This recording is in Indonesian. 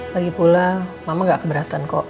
lagi pula mama gak keberatan kok